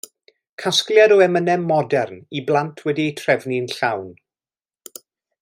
Casgliad o emynau modern i blant wedi eu trefnu'n llawn.